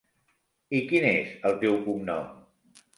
I quin és el teu cognom?